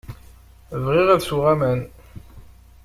Bɣiɣ ad sweɣ aman.